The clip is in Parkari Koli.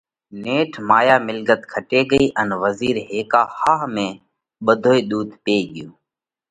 نيٺ مايا مِلڳت کٽي ڳئِي ان وزِير هيڪا ۿاۿ ۾ ٻڌوئي ۮُوڌ پي ڳيو۔